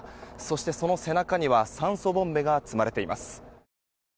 そして、その背中には酸素ボンベが積まれています。